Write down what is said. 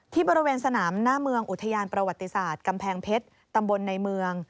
บริเวณสนามหน้าเมืองอุทยานประวัติศาสตร์กำแพงเพชรตำบลในเมือง